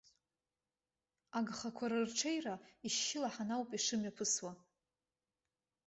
Агхақәа рырҽеира ишьшьылаҳан ауп ишымҩаԥысуа.